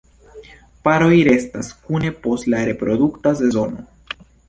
Paroj restas kune post la reprodukta sezono.